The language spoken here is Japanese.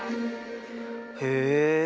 へえ。